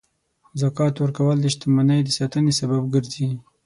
زکات ورکول د شتمنۍ د ساتنې سبب ګرځي.